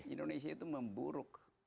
indonesia itu memburuk